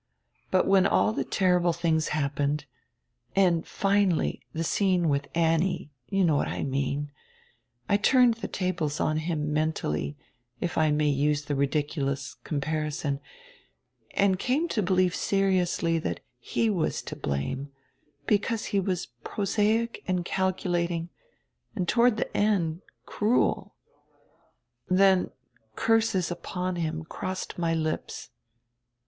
But when all die terrible tilings happened, and finally the scene with Annie — you know what I mean — I turned the tables on him, mentally, if I may use the ridicu lous comparison, and came to believe seriously that he was to blame, because he was prosaic and calculating, and toward die end cruel Then curses upon him crossed my lips."